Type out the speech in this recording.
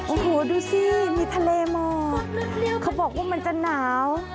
โอ้โหดูสิมีทะเลหมอกเขาบอกว่ามันจะหนาว